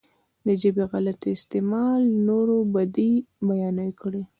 د ژبې غلط استعمال نورو بدۍ بيانې کړي.